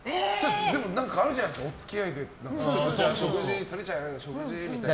何かあるじゃないですかお付き合いで鶴ちゃん、食事みたいな。